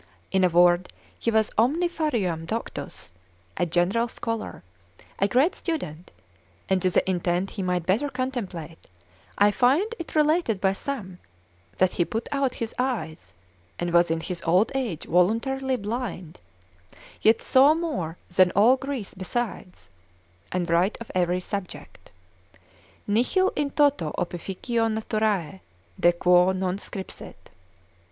In a word, he was omnifariam doctus, a general scholar, a great student; and to the intent he might better contemplate, I find it related by some, that he put out his eyes, and was in his old age voluntarily blind, yet saw more than all Greece besides, and writ of every subject, Nihil in toto opificio naturae, de quo non scripsit.